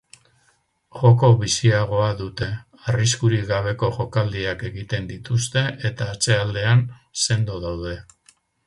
Joko biziagoa dute, arriskurik gabeko jokaldiak egiten dituzte eta atzealdean sendo daude.